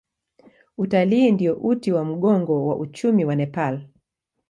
Utalii ndio uti wa mgongo wa uchumi wa Nepal.